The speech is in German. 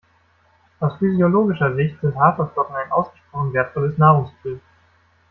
Aus physiologischer Sicht sind Haferflocken ein ausgesprochen wertvolles Nahrungsmittel.